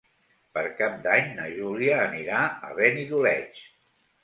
Per Cap d'Any na Júlia anirà a Benidoleig.